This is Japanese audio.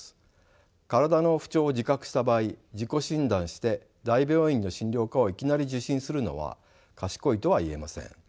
体の不調を自覚した場合自己診断して大病院の診療科をいきなり受診するのは賢いとは言えません。